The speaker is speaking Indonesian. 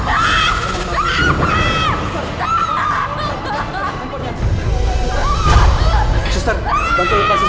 masa ke rumah sakit sekarang